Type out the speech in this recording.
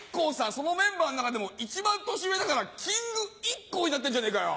そのメンバーの中でも一番年上だからキングＩＫＫＯになってんじゃねえかよ。